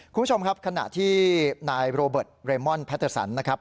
คุณผู้ชมครับขณะที่นายโรเบิร์ตเรมอนแพตเตอร์สันนะครับ